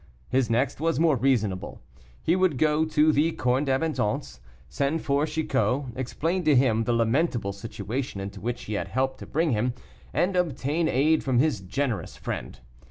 His next was more reasonable. He would go to the Corne d'Abondance, send for Chicot, explain to him the lamentable situation into which he had helped to bring him, and obtain aid from this generous friend.